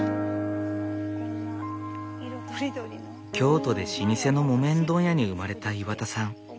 京都で老舗の木綿問屋に生まれた岩田さん。